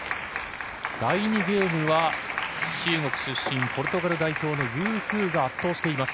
第２ゲームは中国出身ポルトガル代表のユー・フーが圧倒しています。